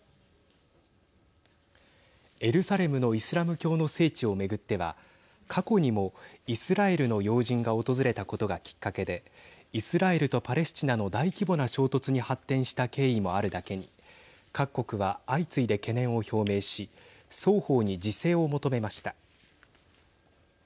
エルサレムのイスラム教の聖地を巡っては過去にもイスラエルの要人が訪れたことがきっかけでイスラエルとパレスチナの大規模な衝突に発展した経緯もあるだけに各国は相次いで懸念を表明し、双方に自制を求めました。